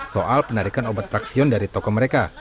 soal penarikan obat praksion dari toko mereka